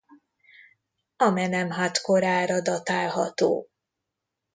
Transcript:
Amenemhat korára datálható.